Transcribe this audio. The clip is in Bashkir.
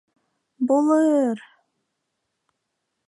Булыр...